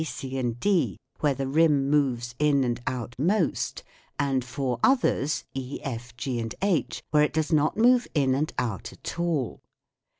b, c, and d where the rim moves in and out most, and four others e, f, g, and h where it does not move in and out at all.